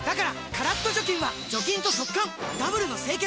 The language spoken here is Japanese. カラッと除菌は除菌と速乾ダブルの清潔！